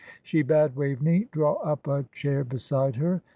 She bade Waveney draw up a chair beside her.